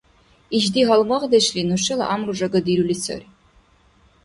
Ишди гьалмагъдешли нушала гӀямру жагадирули сари.